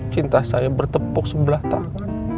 cinta saya bertepuk sebelah tangan